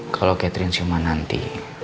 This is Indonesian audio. kalau catherine siuman nanti